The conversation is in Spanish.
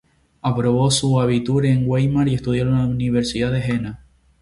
Aprobó su "abitur" en Weimar y estudió en la Universidad de Jena.